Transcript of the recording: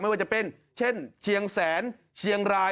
ว่าจะเป็นเช่นเชียงแสนเชียงราย